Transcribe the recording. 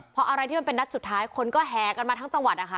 พออะไรที่มันเป็นนัดสุดท้ายคนก็แหกันมาทั้งจังหวัดนะคะ